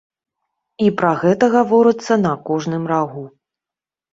І пра гэта гаворыцца на кожным рагу.